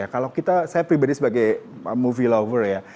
kalau kita saya pribadi sebagai movie lover ya